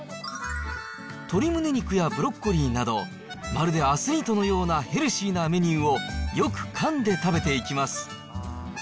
鶏むね肉やブロッコリーなど、まるでアスリートのようなヘルシーなメニューを、よくかんで食べていきます。